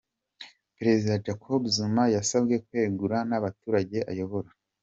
Perezida Jacobu Zuma yasabwe kwegura nabaturage ayobora